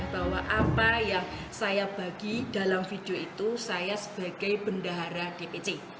bahwa apa yang saya bagi dalam video itu saya sebagai bendahara dpc